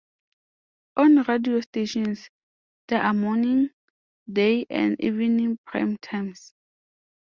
On radio stations there are morning, day and evening prime times.